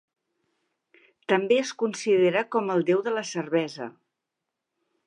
També es considera com el déu de la cervesa.